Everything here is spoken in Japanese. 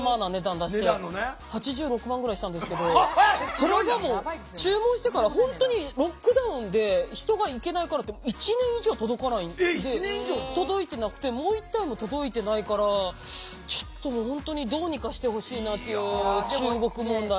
それがもう注文してから本当にロックダウンで人が行けないからって１年以上届いてなくてもう１体も届いてないからちょっともう本当にどうにかしてほしいなっていう中国問題。